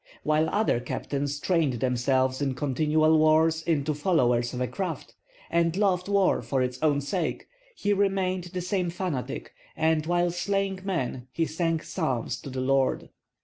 While other captains trained themselves in continual wars into followers of a craft, and loved war for its own sake, he remained the same fanatic, and while slaying men he sang psalms to the Lord.